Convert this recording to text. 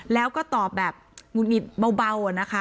แล้วก็ตอบแบบหงุดหงิดเบานะคะ